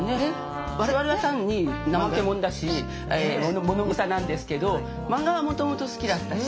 我々は単に怠けもんだしものぐさなんですけど漫画はもともと好きだったし。